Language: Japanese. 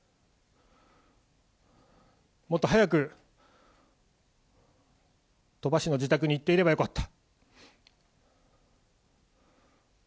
もっと早く鳥羽氏の自宅に行っていればよかった。